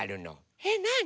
えっなあに？